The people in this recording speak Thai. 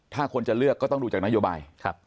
ถ้าคนจะเลือกก็ต้องดูจากนโยบาย